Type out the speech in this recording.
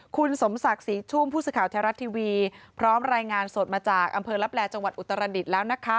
คุณสมศักดิ์ศรีชุ่มผู้สื่อข่าวไทยรัฐทีวีพร้อมรายงานสดมาจากอำเภอลับแลจังหวัดอุตรดิษฐ์แล้วนะคะ